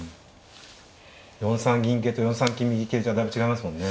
４三銀型と４三金右型じゃだいぶ違いますもんね。